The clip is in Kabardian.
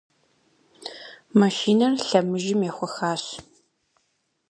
Машинэр лъэмыжым ехуэхащ.